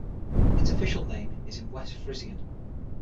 Its official name is in West Frisian.